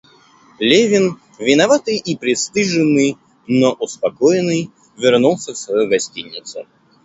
Левин, виноватый и пристыженный, но успокоенный, вернулся в свою гостиницу.